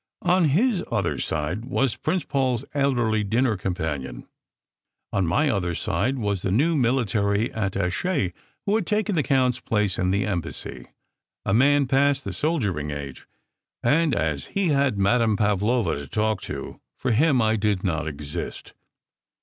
On his other side was Prince Paul s elderly din ner companion. On my other side was the new military attache who had taken the count s place in the Embassy, a man past the soldiering age; and as he had Madame Pavlova to talk to, for him I did not exist.